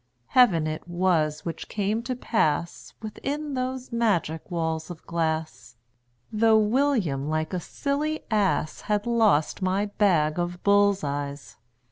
Heaven it was which came to pass Within those magic walls of glass (Though William, like a silly ass, Had lost my bag of bull's eyes).